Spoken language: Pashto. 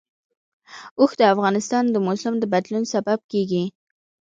اوښ د افغانستان د موسم د بدلون سبب کېږي.